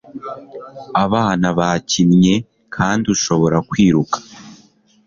abana bakinnye kandi ushobora kwiruka